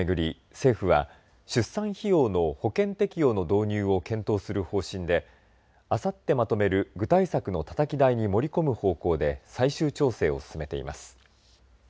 政府は出産費用の保険適用の導入を検討する方針であさってまとめる具体策のたたき台に盛り込む方向で最終調整を進めています。